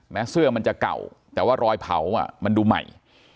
เสื้อมันจะเก่าแต่ว่ารอยเผามันดูใหม่